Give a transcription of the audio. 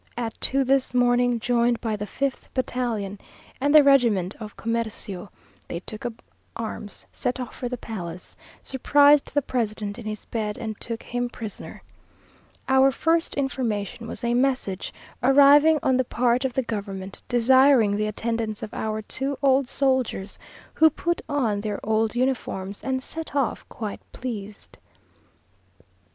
At two this morning, joined by the fifth battalion and the regiment of comercio, they took up arms, set off for the palace, surprised the president in his bed, and took him prisoner. Our first information was a message, arriving on the part of the government, desiring the attendance of our two old soldiers, who put on their old uniforms, and set off quite pleased.